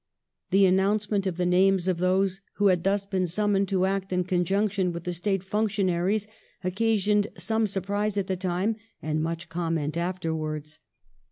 The announcement of the names of those who had thus been summoned to act in con junction with the State functionaries occasioned some surprise at the time and much comment afterwards.